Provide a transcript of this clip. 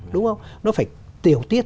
đúng không nó phải tiểu tiết